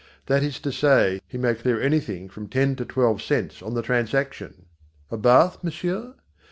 That is to say, he may clear anything from ten to twelve cents on the transaction. A bath, monsieur?